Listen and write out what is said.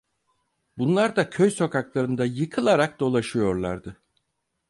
Bunlar da köy sokaklarında yıkılarak dolaşıyorlardı.